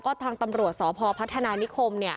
ก็กลายเป็นว่าติดต่อพี่น้องคู่นี้ไม่ได้เลยค่ะ